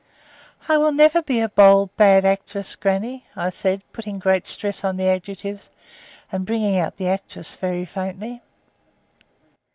"I will never be a bold bad actress, grannie," I said, putting great stress on the adjectives, and bringing out the actress very faintly.